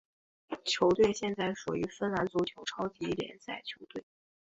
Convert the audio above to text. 球队现在属于芬兰足球超级联赛球队。